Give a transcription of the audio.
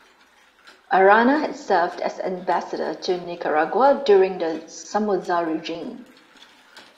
Arana had served as the ambassador to Nicaragua during the Somoza regime.